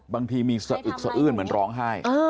บางทีมีสะอึดเหมือนร้องไห้